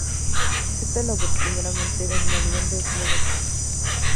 Esta labor primera de molienda es muy antigua.